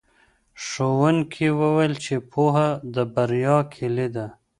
ښوونکي وویل چې پوهه د بریا کیلي ده.